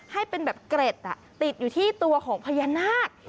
ให้เป็นแบบเกร็ดติดอยู่ที่ตัวของพญานาค